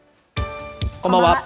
こんばんは。